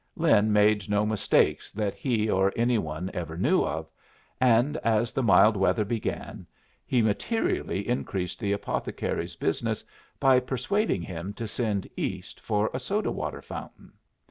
Lin made no mistakes that he or any one ever knew of; and, as the mild weather began, he materially increased the apothecary's business by persuading him to send East for a soda water fountain.